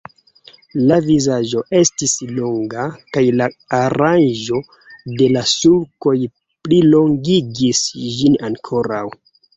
La vizaĝo estis longa, kaj la aranĝo de la sulkoj plilongigis ĝin ankoraŭ.